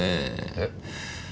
えっ？